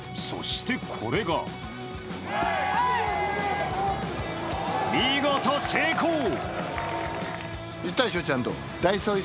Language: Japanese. そして、これが見事、成功！